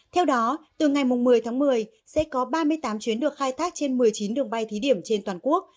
theo đó từ ngày một mươi tháng một mươi sẽ có ba mươi tám chuyến được khai thác trên một mươi chín đường bay thí điểm trên toàn quốc